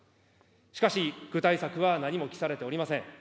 しかし、具体策は何も記されておりません。